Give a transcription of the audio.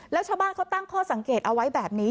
แล้วชาวบ้านเขาตั้งข้อสังเกตเอาไว้แบบนี้